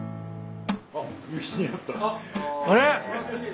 あれ？